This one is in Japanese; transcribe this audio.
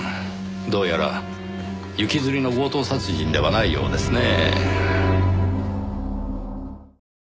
どうやら行きずりの強盗殺人ではないようですねぇ。